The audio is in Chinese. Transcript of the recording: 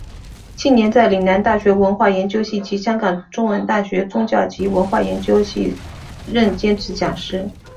近年在岭南大学文化研究系及香港中文大学宗教及文化研究系任兼职讲师。